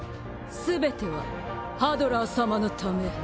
すべてはハドラー様のため。